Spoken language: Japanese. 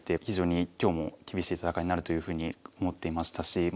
非常に今日も厳しい戦いになるというふうに思っていましたし。